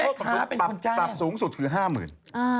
แต่เค้าบอกว่าแม่ค้าเป็นคนแจ้ง